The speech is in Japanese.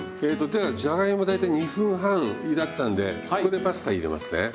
ではじゃがいも大体２分半ゆだったんでここでパスタ入れますね。